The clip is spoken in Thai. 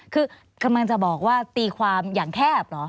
คือกำลังจะบอกว่าตีความอย่างแคบเหรอ